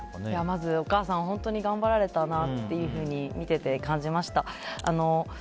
まず、お母さん本当に頑張られたなと見てて感じました。